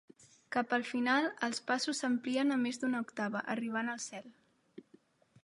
Cap al final, els passos s' amplien a més d'una octava, arribant al Cel.